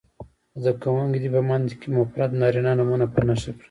زده کوونکي دې په متن کې مفرد نارینه نومونه په نښه کړي.